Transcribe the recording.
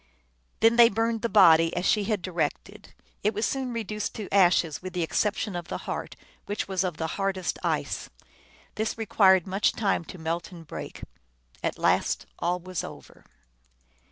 Then they burned the body, as she had directed. It was soon reduced to ashes, with the exception of the heart, which was of the hardest ice. This re quired much time to melt and break. At last all was over.